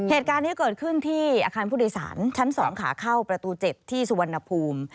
เหตุการณ์นี้เกิดขึ้นที่อาคารผู้โดยสารชั้น๒ขาเข้าประตู๗ที่สุวรรณภูมิ